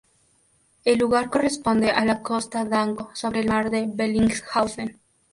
El lugar corresponde a la costa Danco sobre el mar de Bellingshausen.